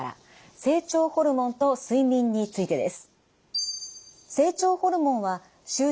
成長ホルモンと睡眠の関係についての質問です。